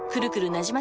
なじま